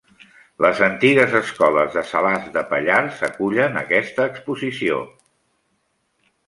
Les antigues escoles de Salàs de Pallars acull aquesta exposició.